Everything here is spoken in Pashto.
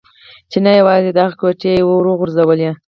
چې نه یوازې دغه کوټې يې و غورځولې.